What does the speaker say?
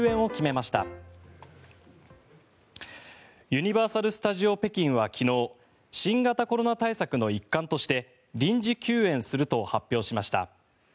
ユニバーサル・スタジオ・北京は昨日新型コロナ対策の一環として臨時休園すると発表しました。